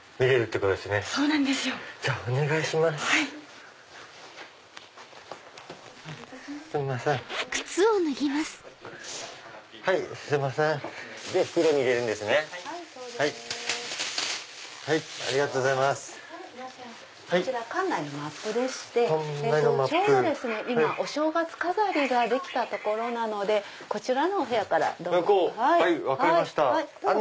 こちら館内のマップでしてちょうど今お正月飾りができたところなのでこちらのお部屋からどうぞ。